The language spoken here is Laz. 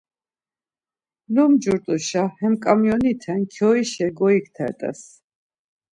Lumcurt̆aşa hem ǩamiyoniten kyoişa goyiktert̆es.